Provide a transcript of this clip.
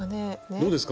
どうですか？